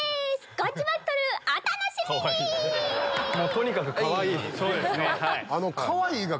とにかくかわいい。